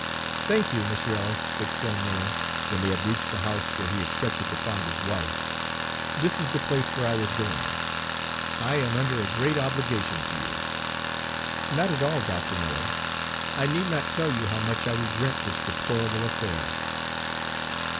"Thank you, Mr. Ellis," exclaimed Miller, when they had reached the house where he expected to find his wife. "This is the place where I was going. I am under a great obligation to you." "Not at all, Dr. Miller. I need not tell you how much I regret this deplorable affair."